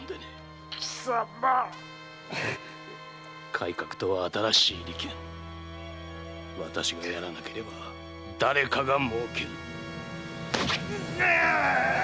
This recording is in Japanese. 改革とは新しい利権私がやらなければ誰かが儲ける！